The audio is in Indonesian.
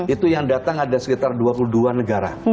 itu yang datang ada sekitar dua puluh dua negara